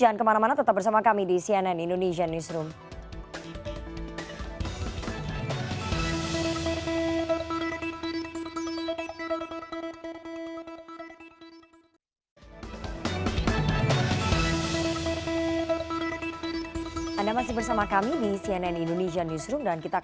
ada lembaga penilai independen menentukan karena dalam tp delapan belas